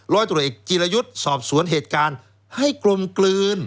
ตรวจเอกจิรยุทธ์สอบสวนเหตุการณ์ให้กลมกลืน